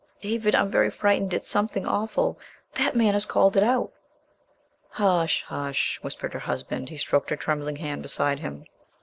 "David, I'm very frightened. It's something awful! That man has called it out...!" "Hush, hush," whispered her husband. He stroked her trembling hand beside him.